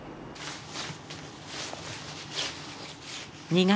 ２月。